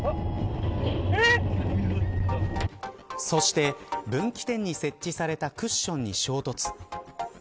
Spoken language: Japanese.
そして、分岐点に設置されたクッションに衝突。